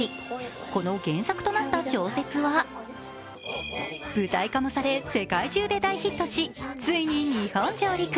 この原作となった小説は舞台化もされ、世界中で大ヒットし、ついに日本上陸。